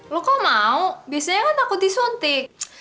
lo kok mau biasanya kan takut disuntik